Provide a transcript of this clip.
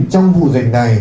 trong vụ dịch này